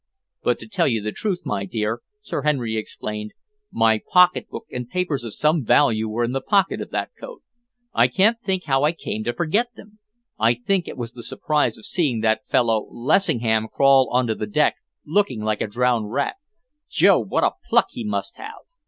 "But to tell you the truth, my dear," Sir Henry explained, "my pocketbook and papers of some value were in the pocket of that coat. I can't think how I came to forget them. I think it was the surprise of seeing that fellow Lessingham crawl on to the wreck looking like a drowned rat. Jove, what a pluck he must have!"